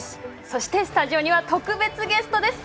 そしてスタジオには特別ゲストです。